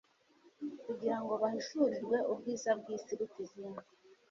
kugira ngo bahishurirwe ubwiza bw'isi iruta izindi.